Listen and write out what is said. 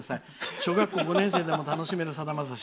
小学校５年生でも楽しめるさだまさし。